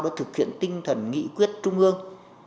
để thực hiện tinh thần nghị quyết trung ương